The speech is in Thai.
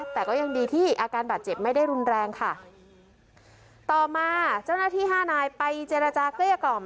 แต่ก็ยังดีที่อาการบาดเจ็บไม่ได้รุนแรงค่ะต่อมาเจ้าหน้าที่ห้านายไปเจรจาเกลี้ยกล่อม